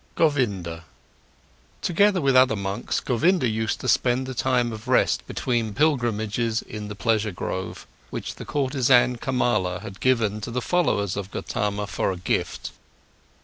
GOVINDA Together with other monks, Govinda used to spend the time of rest between pilgrimages in the pleasure grove, which the courtesan Kamala had given to the followers of Gotama for a gift.